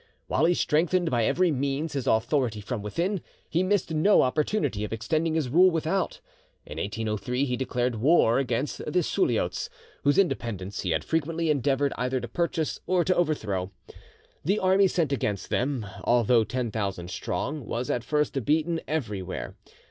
While he strengthened by every means his authority from within, he missed no opportunity of extending his rule without. In 1803 he declared war against the Suliots, whose independence he had frequently endeavoured either to purchase or to overthrow. The army sent against them, although ten thousand strong, was at first beaten everywhere.